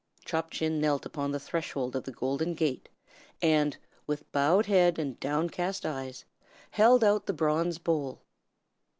Chop Chin knelt upon the threshold of the golden gate, and, with bowed head and downcast eyes, held out the bronze bowl.